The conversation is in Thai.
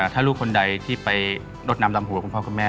ถ้าลูกคนใดที่ไปรดน้ำลำหัวคุณพ่อคุณแม่